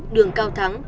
đường cao thắng